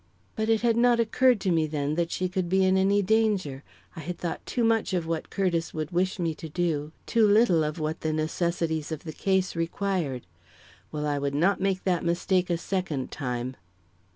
But it had not occurred to me then that she could be in any danger. I had thought too much of what Curtiss would wish me to do; too little of what the necessities of the case required. Well, I would not make that mistake a second time.